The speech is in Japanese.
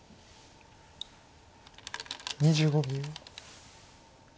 ２５秒。